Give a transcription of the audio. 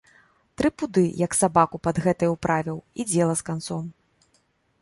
Тры пуды як сабаку пад гэтае ўправіў, і дзела з канцом.